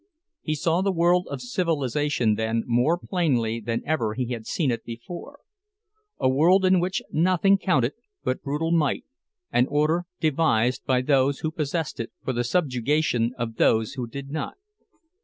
He saw the world of civilization then more plainly than ever he had seen it before; a world in which nothing counted but brutal might, an order devised by those who possessed it for the subjugation of those who did not.